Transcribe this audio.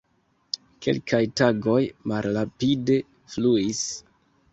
Kelkaj tagoj malrapide fluis.